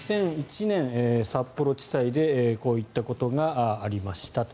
２００１年札幌地裁でこういったことがありました。